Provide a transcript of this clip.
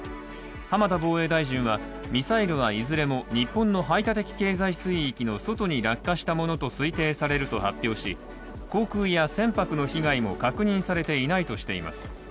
浜田防衛大臣はミサイルはいずれも日本の排他的経済水域の外に落下したものと推定されると発表し、航空や船舶の被害も確認されていないとしています。